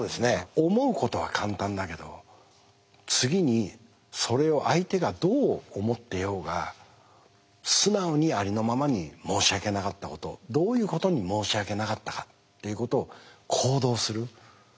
思うことは簡単だけど次にそれを相手がどう思ってようが素直にありのままに申し訳なかったことどういうことに申し訳なかったかっていうことを行動する。